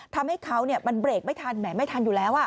ทำให้เขามันเบรกไม่ทันแหมไม่ทันอยู่แล้ว